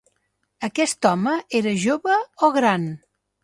Aquest home era jove o gran?